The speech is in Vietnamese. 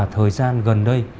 thời gian gần đây